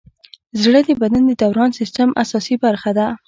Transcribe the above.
زړه د بدن د دوران سیسټم اساسي برخه ده.